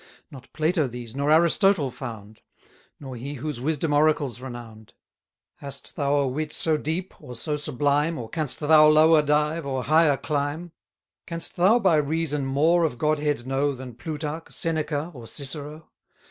Not Plato these, nor Aristotle found: Nor he whose wisdom oracles renown'd. Hast thou a wit so deep, or so sublime, Or canst thou lower dive, or higher climb? Canst thou by reason more of Godhead know Than Plutarch, Seneca, or Cicero?